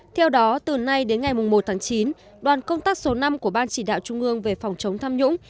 theo đó từ nay đến ngày một tháng chín đoàn công tác số năm của ban chỉ đạo trung ương về phòng chống tham nhũng